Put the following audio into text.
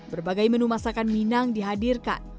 berbagai menu masakan minang dihadirkan